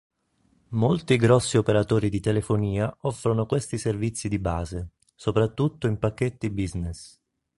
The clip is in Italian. Molti grossi operatori di telefonia offrono questi servizi di base, soprattutto in pacchetti "business".